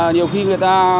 nhiều khi người ta